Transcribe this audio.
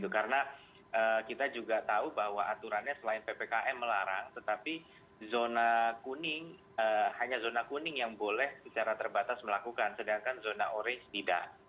karena kita juga tahu bahwa aturannya selain ppkm melarang tetapi zona kuning hanya zona kuning yang boleh secara terbatas melakukan sedangkan zona orange tidak